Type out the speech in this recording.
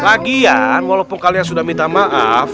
lagian walaupun kalian sudah minta maaf